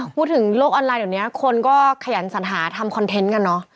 พูดถึงโลกออนไลน์เดี๋ยวนี้คนก็ขยันสัญหาทำคอนเทนต์กันเนอะ